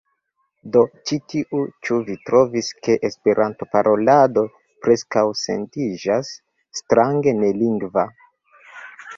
Do ĉi tiu, "Ĉu vi trovis ke Esperantparolado preskaŭ sentiĝas strange nelingva?"